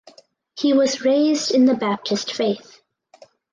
He was raised in the Baptist faith.